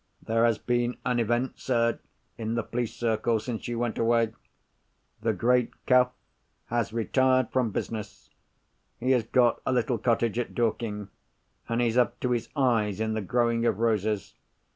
"There has been an event, sir, in the police circles, since you went away. The great Cuff has retired from business. He has got a little cottage at Dorking; and he's up to his eyes in the growing of roses.